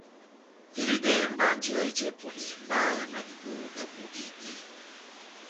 Veledɛhɛ mba njeya eji epɔdɛhɛ mba na diboho dábu dihibiyɛnɔ.